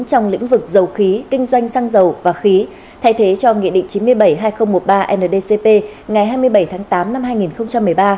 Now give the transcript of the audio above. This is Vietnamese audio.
trong lĩnh vực dầu khí kinh doanh xăng dầu và khí thay thế cho nghị định chín mươi bảy hai nghìn một mươi ba ndcp ngày hai mươi bảy tháng tám năm hai nghìn một mươi ba